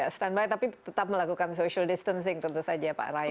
standby tapi tetap melakukan social distancing tentu saja pak rai